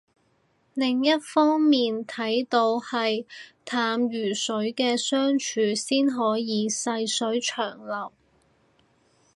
另一方面睇都係淡如水嘅相處先可以細水長流